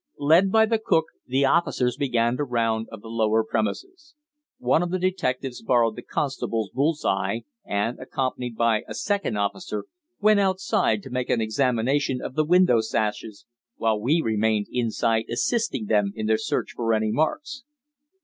Led by the cook, the officers began a round of the lower premises. One of the detectives borrowed the constable's bull's eye and, accompanied by a second officer, went outside to make an examination of the window sashes, while we remained inside assisting them in their search for any marks.